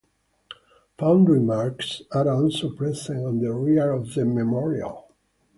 Foundry marks are also present on the rear of the memorial.